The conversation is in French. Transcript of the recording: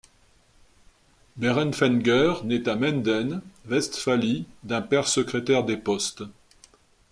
Bärenfänger nait à Menden, Westphalie d'un père secrétaire des postes.